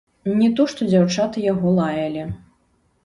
Не то што дзяўчаты яго лаялі.